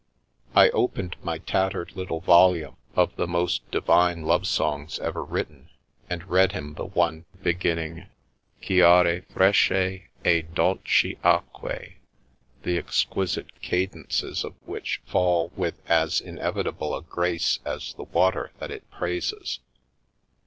I opened my tattered little volume of the most divine love songs ever written, and read him the one, begin ning :" Chiare, fresche e dolci acque," the exquisite cadences of which fall with as inevitable a grace as the water that it praises.